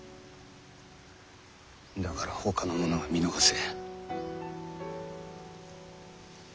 だからほかの者は見逃せ。